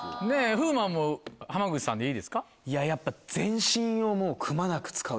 風磨も浜口さんでいいですか？